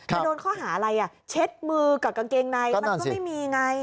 โดนข้อหาอะไรอ่ะเช็ดมือกับกางเกงในมันก็ไม่มีไง